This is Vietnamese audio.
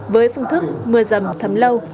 với phương thức mưa rầm thấm lâu